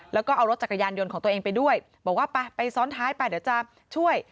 แล้วก็เอารถจักรยานยนต์ของตัวเองไปด้วยบอกว่าไปไปซ้อนท้ายไปเดี๋ยวจะช่วย